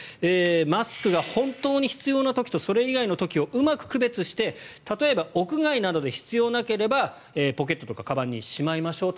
マスクが本当に必要な時とそれ以外の時をうまく区別して例えば屋外などで必要なければポケットとかかばんにしまいましょうと。